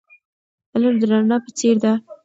علم د رڼا په څېر دی.